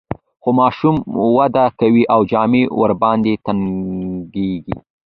خو ماشوم وده کوي او جامې ورباندې تنګیږي.